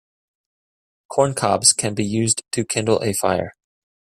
Corn cobs can be used to kindle a fire.